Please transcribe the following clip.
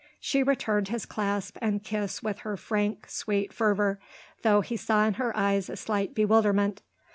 She returned his clasp and kiss with her frank, sweet fervour, though he saw in her eyes a slight bewilderment.